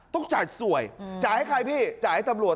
ต้องจ่ายสวยจ่ายให้ใครพี่จ่ายให้ตำรวจ